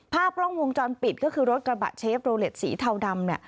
ภาพกล้องวงจรปิดก็คือรถกระบะเชฟโรเล็ตสีเทาดำเนี่ย